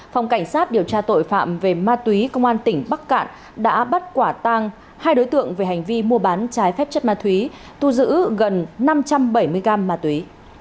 phòng cảnh sát điều tra tội phạm về ma túy công an tỉnh bắc cạn đã bắt quả tang hai đối tượng về hành vi mua bán trái phép chất ma túy thu giữ gần năm trăm bảy mươi gram ma túy